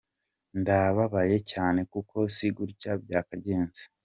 Ndababaye cyane kuko si gutya byakagenze.